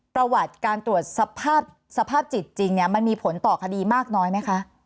ประวัติการตรวจสภาพจิตจริงมันมีผลต่อคดีมากน้อยไหมคะ